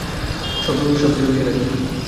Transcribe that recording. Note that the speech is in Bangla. সব শেলিফিশে নাকি?